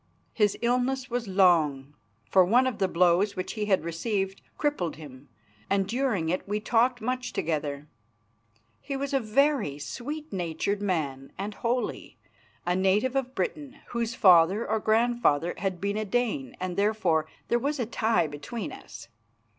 His illness was long, for one of the blows which he had received crippled him, and during it we talked much together. He was a very sweet natured man and holy, a native of Britain, whose father or grandfather had been a Dane, and therefore there was a tie between us.